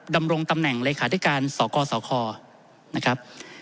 ดำรงตำแหน่งเลขาธิการสกสคนะครับ